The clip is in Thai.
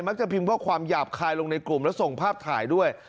จะพิมพ์ข้อความหยาบคายลงในกลุ่มแล้วส่งภาพถ่ายด้วย